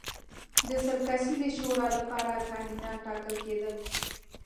د سل کسیزې شورا لپاره کاندیدان ټاکل کېدل.